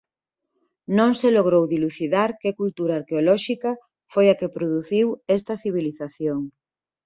Non se logrou dilucidar que cultura arqueolóxica foi a que produciu esta civilización.